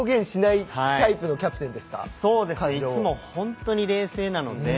いつも本当に冷静なので。